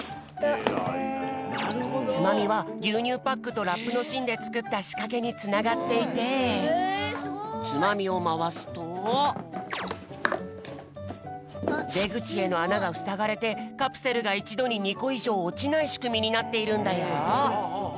ツマミはぎゅうにゅうパックとラップのしんでつくったしかけにつながっていてツマミをまわすとでぐちへのあながふさがれてカプセルがいちどに２こいじょうおちないしくみになっているんだよ。